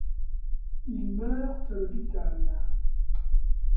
Il meurt à l'hôpital.